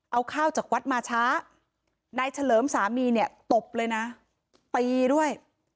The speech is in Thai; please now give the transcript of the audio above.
เอาข้าวจากวัดมาช้านายเฉลิมสามีเนี่ยตบเลยนะตีด้วย